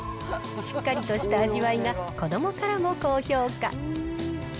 しっかりとした味わいが、子どもからも高評価。